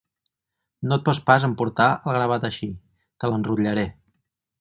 No et pots pas emportar el gravat així; te l'enrotllaré.